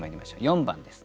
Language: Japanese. ４番です。